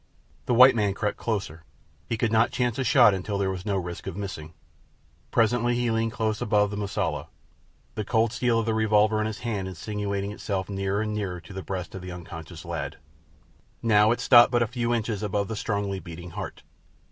The white man crept closer. He could not chance a shot until there was no risk of missing. Presently he leaned close above the Mosula. The cold steel of the revolver in his hand insinuated itself nearer and nearer to the breast of the unconscious lad. Now it stopped but a few inches above the strongly beating heart.